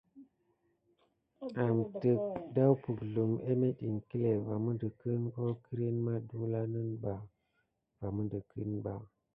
Amteke dà pukzlumo émet iŋkle va midikine ho kirni mà delulani ba va midikiba.